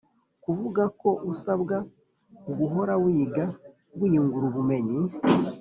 kuvuga ko usabwa guhora wiga wiyungura ubumenyi